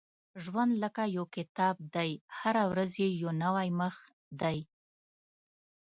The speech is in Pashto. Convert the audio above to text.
• ژوند لکه یو کتاب دی، هره ورځ یې یو نوی مخ دی.